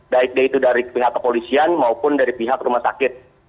baik dari pihak kepolisian maupun dari pihak rumah sakit